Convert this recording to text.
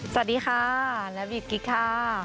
สวัสดีค่ะรับบิดกิ๊กค่ะ